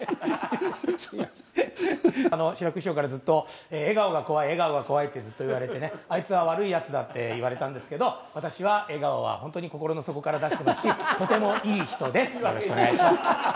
志らく師匠から、ずっと笑顔が怖い、笑顔が怖いって、ずっと言われてね、あいつは悪いやつだっていわれたんですけれども、私は笑顔は本当に心の底から出してますし、とてもいい人です。